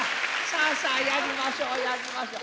さあさあやりましょうやりましょう。